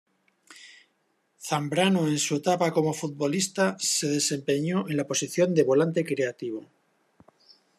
Zambrano en su etapa como futbolista se desempeñó en la posición de volante creativo.